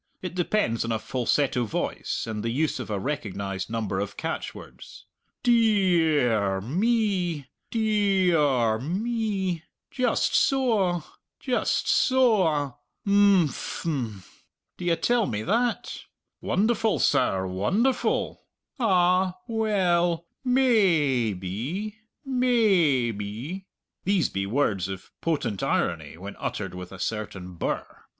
It depends on a falsetto voice and the use of a recognized number of catchwords. "Dee ee ar me, dee ee ar me;" "Just so a, just so a;" "Im phm!" "D'ye tell me that?" "Wonderful, serr, wonderful;" "Ah, well, may ay be, may ay be" these be words of potent irony when uttered with a certain birr.